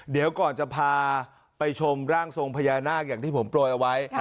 เดี๋ยวก่อนจะพาไปชมร่างทรงพญานาคอย่างที่ผมโปรยเอาไว้